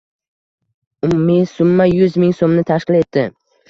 Umumiy summa yuz ming soʻmni tashkil etdi.